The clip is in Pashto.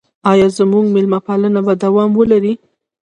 آیا زموږ میلمه پالنه به دوام ولري؟